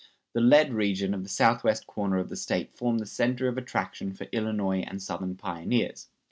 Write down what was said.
The lead region of the southwest corner of the State formed the center of attraction for Illinois and Southern pioneers.